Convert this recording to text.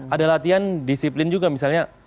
ada latihan disiplin juga misalnya